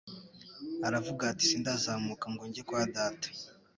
aravuga ati: «Sindazamuka ngo njye kwa Data.'»